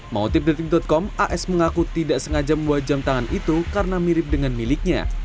mengutip detik com as mengaku tidak sengaja membuat jam tangan itu karena mirip dengan miliknya